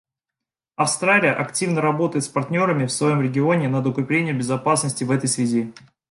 Австралия активно работает с партнерами в своем регионе над укреплением безопасности в этой связи.